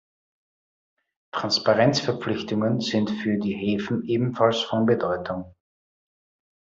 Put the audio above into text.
Transparenzverpflichtungen sind für die Häfen ebenfalls von Bedeutung.